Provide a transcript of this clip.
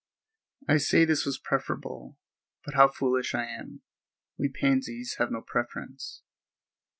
I say this was preferable, but how foolish I am; we pansies have no preference.